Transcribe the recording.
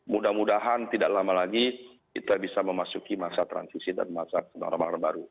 mudah mudahan tidak lama lagi kita bisa memasuki masa transisi dan masaran baru